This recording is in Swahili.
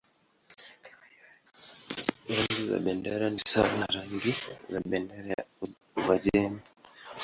Rangi za bendera ni sawa na rangi za bendera ya Uajemi.